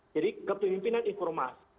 jadi kepemimpinan informasi